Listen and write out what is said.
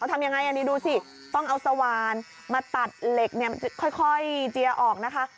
ทำยังไงอันนี้ดูสิต้องเอาสว่านมาตัดเหล็กเนี่ยค่อยเจียออกนะคะ